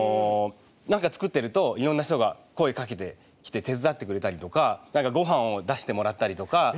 何か作ってるといろんな人が声かけてきて手伝ってくれたりとかごはんを出してもらったりとか。